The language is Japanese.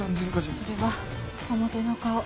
それは表の顔。